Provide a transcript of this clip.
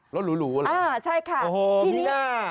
รถหรูอะไรอ่าใช่ค่ะที่นี่อ๋อมีน่า